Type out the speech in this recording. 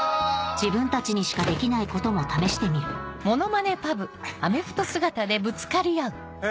自分たちにしかできないことも試してみるえ